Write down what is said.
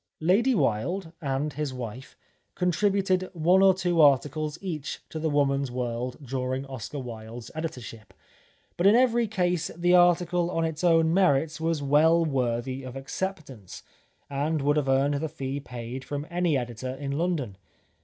Lady Wilde and his wife contributed one or two articles each to The Woman's World during Oscar Wilde's editor ship, but in every case the article on its own merits was well worthy of acceptance, and would have earned the fee paid from any editor in London.